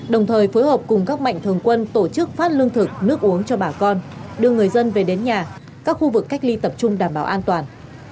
đồng thời phối hợp cùng các mạnh thường quân tổ chức phát lương thực nước uống cho bà con đưa người dân về đến nhà các khu vực cách ly tập trung đảm bảo an toàn